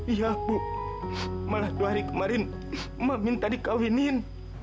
iya ibu malah dua hari kemarin mak minta dikawinin